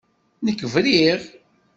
Nekk briɣ.